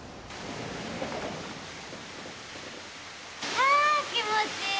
ああ気持ちいい！